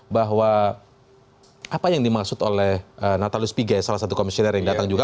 bahwa apa yang dimaksud oleh natalius pigai salah satu komisioner yang datang juga